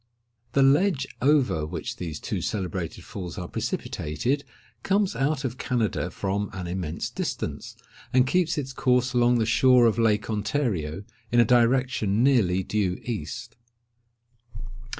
The ledge over which these two celebrated falls are precipitated, comes out of Canada from an immense distance, and keeps its course along the shore of Lake Ontario, in a direction nearly due east.